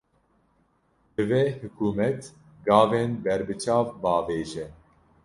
Divê hikûmet, gavên berbiçav bavêje